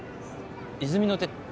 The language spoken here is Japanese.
泉の手